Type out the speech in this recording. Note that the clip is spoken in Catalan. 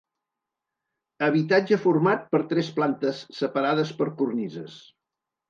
Habitatge format per tres plantes separades per cornises.